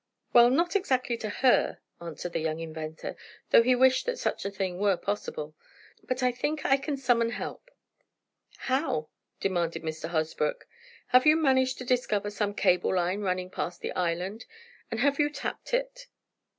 "Well, not exactly to her," answered the young inventor, though he wished that such a thing were possible. "But I think I can summon help." "How?" demanded Mr. Hosbrook. "Have you managed to discover some cable line running past the island, and have you tapped it?"